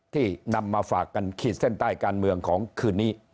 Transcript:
ที่นำมาฝากกันขีดเส้นใต้การเมืองของคืนนี้